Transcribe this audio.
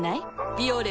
「ビオレ」